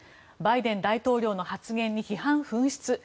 バイデン大統領の発言に批判噴出。